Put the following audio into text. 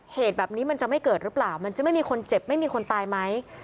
เหตุแบบนี้มันจะไม่เกิดหรือเปล่ามันจะไม่มีคนเจ็บไม่มีคนตายไหม